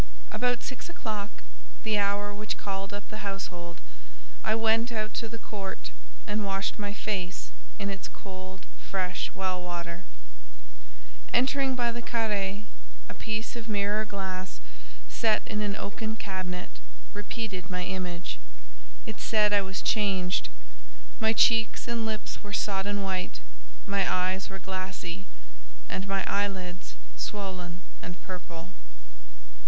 About six o'clock, the hour which called up the household, I went out to the court, and washed my face in its cold, fresh well water. Entering by the carré, a piece of mirror glass, set in an oaken cabinet, repeated my image. It said I was changed: my cheeks and lips were sodden white, my eyes were glassy, and my eyelids swollen and purple.